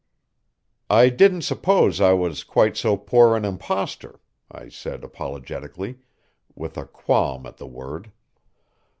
"I didn't suppose I was quite so poor an impostor," I said apologetically, with a qualm at the word.